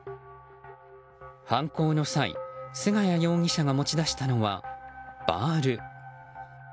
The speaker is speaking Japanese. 犯行の際、菅谷容疑者が持ち出したのは、バール。